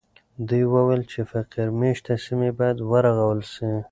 دوی وویل چې فقیر مېشته سیمې باید ورغول سي.